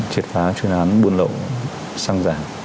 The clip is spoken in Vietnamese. triệt phá chuyến án buôn lậu sang giả